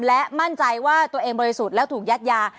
และมั่นใจว่าตัวเองบริสุทธิ์แล้วถูกยัดยา